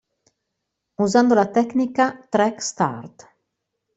Usando la tecnica "track start".